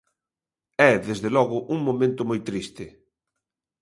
É, desde logo, un momento moi triste.